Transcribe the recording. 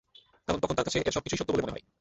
কারণ, তখন তার কাছে এর সবকিছুই সত্য বলে মনে হয়।